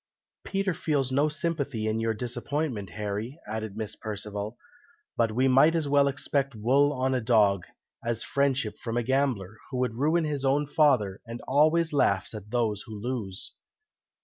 '" "Peter feels no sympathy in your disappointment, Harry," added Miss Perceval; "but we might as well expect wool on a dog, as friendship from a gambler, who would ruin his own father, and always laughs at those who lose."